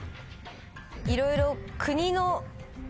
いろいろ。